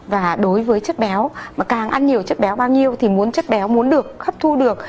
và đối với chất béo mà càng ăn nhiều chất béo bao nhiêu thì muốn chất béo muốn được hấp thu được